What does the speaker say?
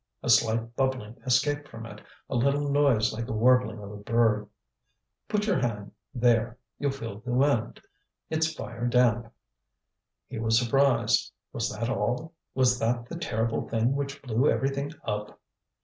A slight bubbling escaped from it, a little noise like the warbling of a bird. "Put your hand there; you'll feel the wind. It's fire damp." He was surprised. Was that all? Was that the terrible thing which blew everything up?